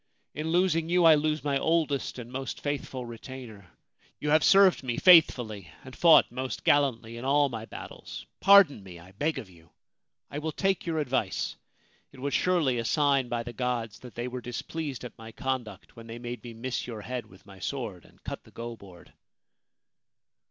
In losing you I lose my oldest and most faithful retainer. You have served me faithfully and fought most gallantly in all my battles. Pardon me, I beg of you ! I will take your advice. It was surely a sign by the gods that they were displeased at my conduct when they made me miss your head with my sword and cut the go board.'